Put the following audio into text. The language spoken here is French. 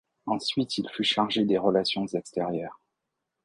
Ensuite il fut chargé des Relations extérieures.